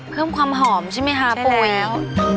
เพิ่มความหอมใช่ไหมคะโป๊แล้ว